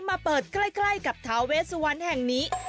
มาเปิดใกล้กับท้าเวสวันแห่งนี้